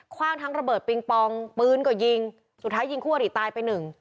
ว่างทั้งระเบิดปิงปองปืนก็ยิงสุดท้ายยิงคู่อริตายไปหนึ่ง